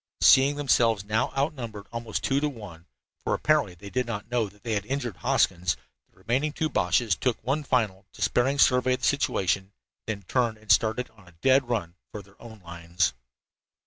Seeing themselves now outnumbered almost two to one for apparently they did not know that they had injured Hoskins the two remaining Boches took one final, despairing survey of the situation, then turned and started on a dead run for their own lines.